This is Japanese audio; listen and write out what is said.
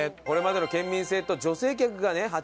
これまでの県民性と女性客がね